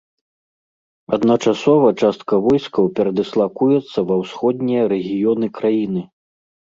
Адначасова частка войскаў перадыслакуецца ва ўсходнія рэгіёны краіны.